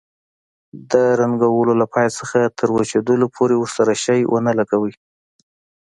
د رنګولو له پای څخه تر وچېدلو پورې ورسره شی ونه لګوئ.